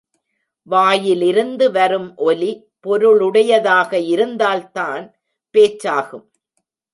வாயிலிருந்து வரும் ஒலி பொருளுடையதாக இருந்தால்தான் பேச்சாகும்.